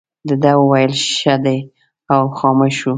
ده وویل ښه دی او خاموش شو.